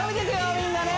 みんなね！